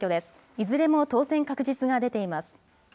いずれも当選確実が出ています。